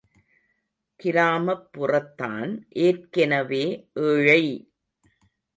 கிராமப்புறத்தான் ஏற்கெனவே ஏழை!